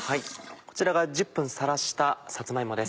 こちらが１０分さらしたさつま芋です。